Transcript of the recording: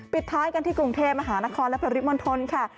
ปิดท้ายกันที่กรุงเทพมหานครและปริมณฑลค่ะ